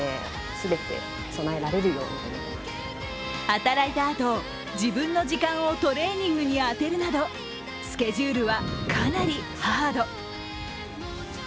働いたあと、自分の時間をトレーニングに充てるなどスケジュールはかなりハード。